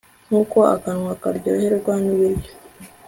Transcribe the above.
nk'uko akanwa karyoherwa n'ibiryo